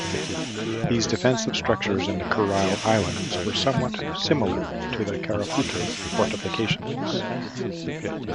These defensive structures in the Kurile Islands were somewhat similar to the Karafuto fortifications.